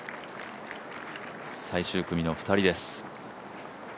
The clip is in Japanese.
最終組の２人です。